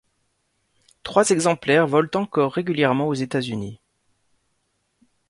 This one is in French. Trois exemplaires volent encore régulièrement aux É.-U.